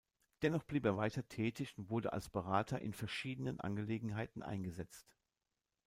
Dennoch blieb er weiter tätig und wurde als Berater in verschiedenen Angelegenheiten eingesetzt.